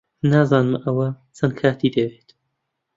نازانم ئەوە چەند کاتی دەوێت.